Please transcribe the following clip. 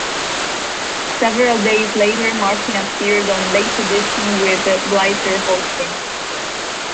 Several days later Martin appeared on "Late Edition," with Blitzer hosting.